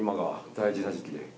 大事な時期。